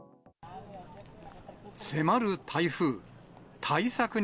迫る台風。